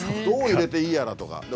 どう入れていいやらとか。